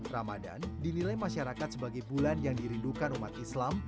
ramadan dinilai masyarakat sebagai bulan yang dirindukan umat islam